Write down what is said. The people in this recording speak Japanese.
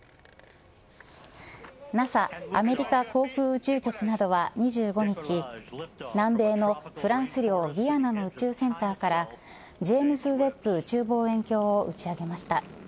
ＮＡＳＡアメリカ航空宇宙局などは２５日南米のフランス領ギアナの宇宙センターからジェームズ・ウェッブ宇宙望遠鏡を打ち上げました。